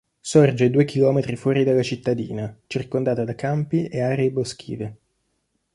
Sorge due chilometri fuori dalla cittadina, circondata da campi e aree boschive.